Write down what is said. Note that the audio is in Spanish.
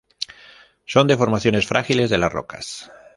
Son deformaciones frágiles de las rocas.